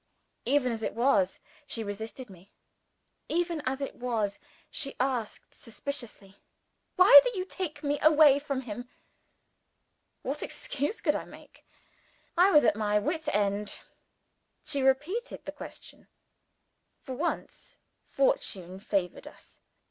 Even as it was, she resisted me. Even as it was, she asked suspiciously, "Why do you take me away from him?" What excuse could I make? I was at my wits' end. She repeated the question. For once Fortune favored us.